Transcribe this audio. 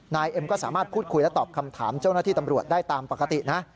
เอ็มก็สามารถพูดคุยและตอบคำถามเจ้าหน้าที่ตำรวจได้ตามปกตินะ